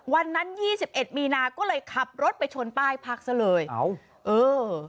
ยี่สิบเอ็ดมีนาก็เลยขับรถไปชนป้ายพักซะเลยเอาเออ